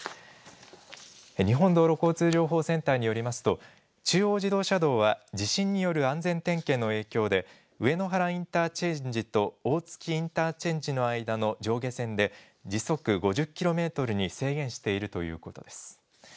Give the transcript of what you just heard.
日本道路交通情報センターによりますと、中央自動車道は地震による安全点検の影響で、上野原インターチェンジと大月インターチェンジの間の上下線で、時速５０キロメートルに制限しているということです。